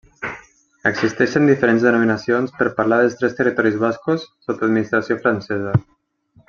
Existeixen diferents denominacions per parlar dels tres territoris bascos sota administració francesa.